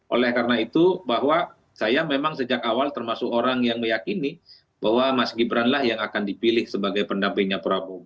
oleh karena itu bahwa saya memang sejak awal termasuk orang yang meyakini bahwa mas gibran lah yang akan dipilih sebagai pendampingnya prabowo